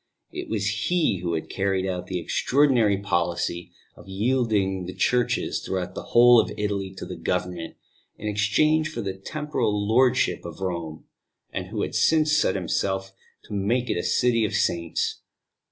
It was he who had carried out the extraordinary policy of yielding the churches throughout the whole of Italy to the Government, in exchange for the temporal lordship of Rome, and who had since set himself to make it a city of saints.